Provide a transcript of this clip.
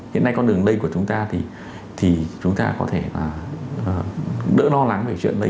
hiện nay con đường đây của chúng ta thì chúng ta có thể là đỡ lo lắng về chuyện đấy